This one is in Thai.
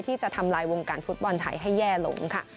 ที่จะทำลายวงการฟุตบอลไทยให้แย่ลงค่ะ